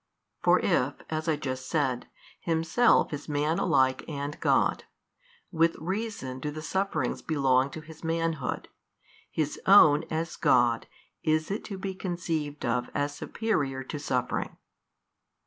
For if (as I just said) Himself is Man alike and God, with reason do the Sufferings belong to His Manhood, His own as God is it to be conceived of as superior to suffering.